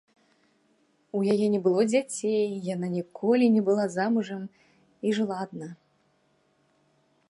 У яе не было дзяцей, яна ніколі не была замужам і жыла адна.